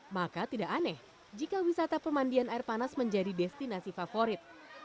maka tidak aneh jika wisata pemandian air panas menjadi destinasi favorit